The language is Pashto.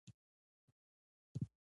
آیا افغانان به د اصفهان په جګړه کې بریالي شي؟